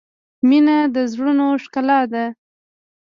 • مینه د زړونو ښکلا ده.